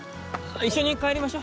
一緒に帰りましょ。